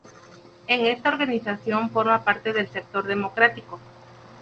En esta organización forma parte del sector democrático.